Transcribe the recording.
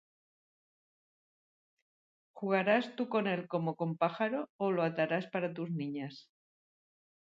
¿Jugarás tú con él como con pájaro, O lo atarás para tus niñas?